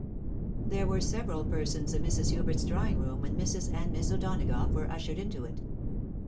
There were several persons in Mrs. Hubert's drawing room when Mrs. and Miss O'Donagough were ushered into it.